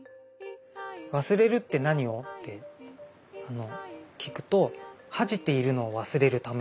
忘れるって何を？って聞くと恥じているのを忘れるため。